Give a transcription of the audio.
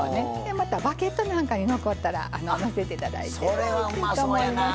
またバゲットなんかに残ったらのせて頂いてもおいしいと思います。